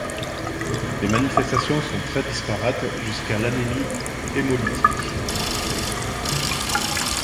Les manifestations sont très disparates jusqu'à l'anémie hémolytique.